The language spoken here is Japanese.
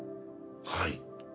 はい。